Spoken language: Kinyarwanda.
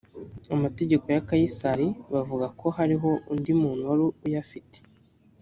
amategeko ya kayisari bavuga ko hariho undi muntu wari uyafite